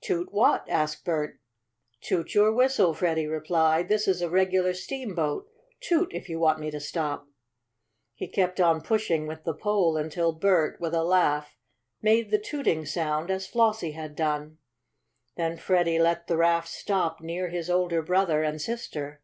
"Toot what?" asked Bert. "Toot your whistle," Freddie replied. "This is a regular steamboat. Toot if you want me to stop." He kept on pushing with the pole until Bert, with a laugh, made the tooting sound as Flossie had done. Then Freddie let the raft stop near his older brother and sister.